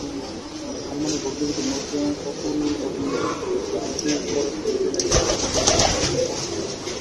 সালমানের ভগ্নিপতি অতুল অগ্নিহোত্রীর পরের ছবিতেই নাকি আবারও দেখা যাবে ক্যাটরিনা-সালমানকে।